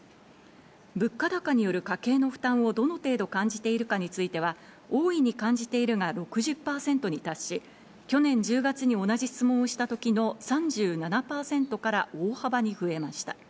物価高による家計の負担をどの程度感じているかについては、大いに感じているが６０％に達し、去年１０月に同じ質問をしたときの３７％から大幅に増えました。